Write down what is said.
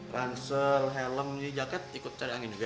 ransel helm jaket ikut cari angin juga